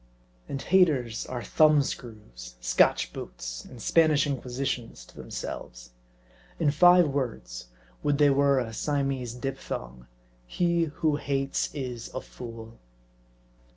And haters are thumbscrews, Scotch boots, and Spanish inquisitions to themselves. In five words would they were a Siamese diphthong he who hates is a fool.